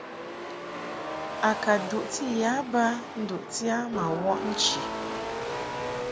A ka duʼti ya ba nduʼti a ma wɔʼ nchi.